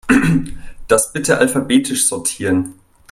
Das bitte alphabetisch sortieren.